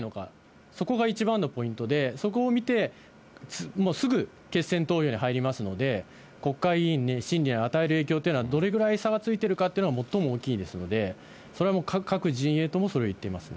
逆にあまり差がつかないのか、そこが一番のポイントで、そこを見てすぐ決選投票に入りますので、国会議員の心理に与える影響というのは、どれぐらいさがついているのかというのが最も大きいんですので、それはもう各陣営とも、それを言っていますね。